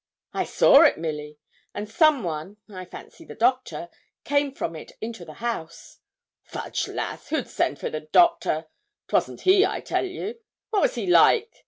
'I saw it, Milly; and some one, I fancy the doctor, came from it into the house.' 'Fudge, lass! who'd send for the doctor? 'Twasn't he, I tell you. What was he like?'